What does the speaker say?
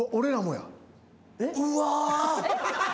うわ。